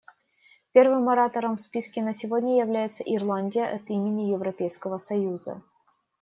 Первым оратором в списке на сегодня является Ирландия от имени Европейского союза.